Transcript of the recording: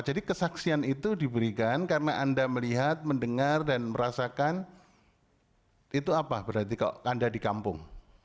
jadi kesaksian itu diberikan karena anda melihat mendengar dan merasakan itu apa berarti anda di kampung